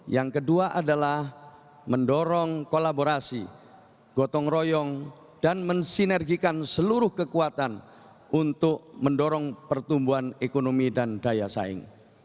yang kedua adalah mendorong kolaborasi gotong royong dan mensinergikan seluruh kekuatan untuk mendorong pertumbuhan ekonomi dan daya saing